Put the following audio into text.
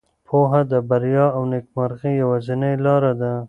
پوهه د بریا او نېکمرغۍ یوازینۍ لاره ده.